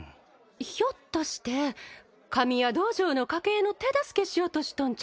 ひょっとして神谷道場の家計の手助けしようとしとんちゃいますやろか。